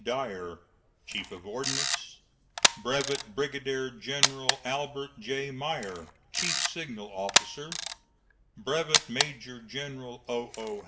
Dyer, Chief of Ordnance; Brevet Brigadier General Albert J. Myer, Chief Signal Officer; Brevet Major General O.O.